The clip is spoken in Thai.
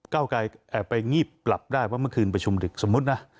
เก้าไกรแอบไปงีบกลับได้เพราะเมื่อคืนประชุมดึกสมมุตินะ